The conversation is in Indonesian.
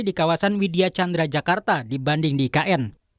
di kawasan widya chandra jakarta dibanding di ikn